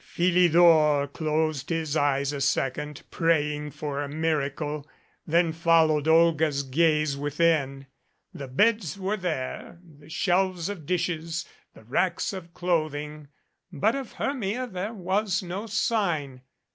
Philidor closed his eyes a second, praying for a mir acle, then followed Olga's gaze within. The beds were there, the shelves of dishes, the racks of clothing, but of Hermia there was no sign.